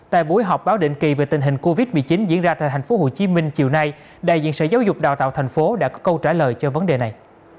tại buổi họp báo định kỳ về tình hình covid một mươi chín diễn ra tại thành phố hồ chí minh chiều nay đại diện sở giáo dục đào tạo thành phố đã có câu trả lời cho vấn đề này